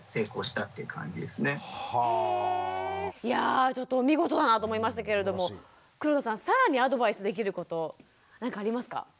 いやぁちょっと見事だなと思いましたけれども黒田さん更にアドバイスできること何かありますか？